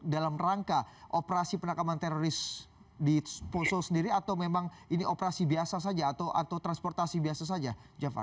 dalam rangka operasi penakaman teroris di poso sendiri atau memang ini operasi biasa saja atau transportasi biasa saja jafar